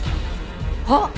あっ！